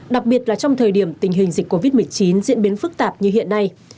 đặc biệt là trong thời điểm tình hình dịch covid một mươi chín diễn biến phức tạp như hiện nay